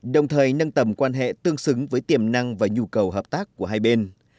đồng thời nâng tầm quan hệ tương xứng với tiềm năng và nhu cầu hợp tác của hai bên